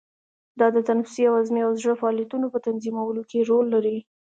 دا د تنفسي، هضمي او زړه فعالیتونو په تنظیمولو کې رول لري.